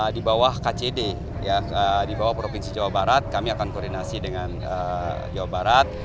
di bawah kcd di bawah provinsi jawa barat kami akan koordinasi dengan jawa barat